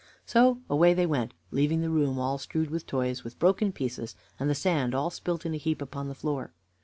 So away they went, leaving the room all strewed with toys, with broken pieces, and the sand all spilt in a heap upon the floor.